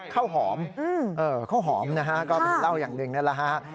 ข้าวหอมข้าวหอมนะฮะก็เป็นเหล้าอย่างหนึ่งนั่นแหละฮะ